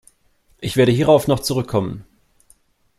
Ich werde hierauf noch zurückkommen.